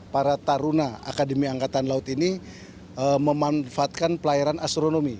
para taruna akademi angkatan laut ini memanfaatkan pelayaran astronomi